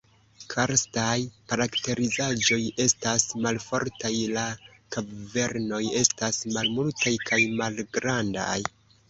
Karstaj karakterizaĵoj estas malfortaj, la kavernoj estas malmultaj kaj malgrandaj.